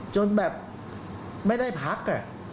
จนแบบไม่ได้พัก